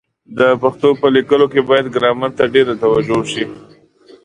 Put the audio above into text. د پښتو په لیکلو کي بايد ګرامر ته ډېره توجه وسي.